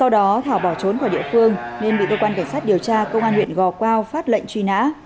đó thảo bỏ trốn khỏi địa phương nên bị cơ quan cảnh sát điều tra công an huyện gò quao phát lệnh truy nã